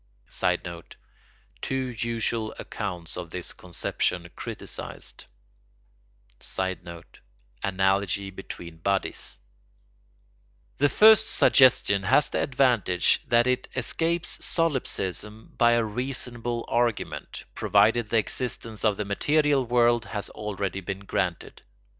[Sidenote: Two usual accounts of this conception criticised:] [Sidenote: analogy between bodies,] The first suggestion has the advantage that it escapes solipsism by a reasonable argument, provided the existence of the material world has already been granted.